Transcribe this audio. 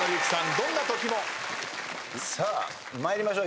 『どんなときも。』さあ参りましょう。